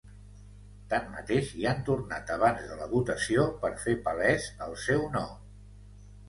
Tanmateix, hi han tornat abans de la votació per fer palès el seu no.